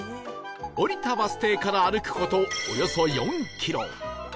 降りたバス停から歩く事およそ４キロ